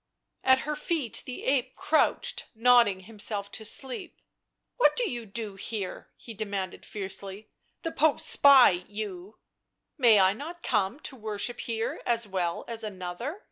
At her feet the ape crouched, nodding himself to sleep. " What do you do here V' he demanded fiercely. " The Pope's spy, you !"" May I not come to worship here as well as another